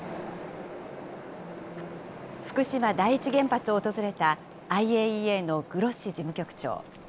福島第一原発を訪れた、ＩＡＥＡのグロッシ事務局長。